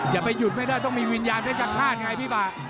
อย่าไปหยุดไม่ได้ต้องมีวิญญาณเพชรฆาตไงพี่บะ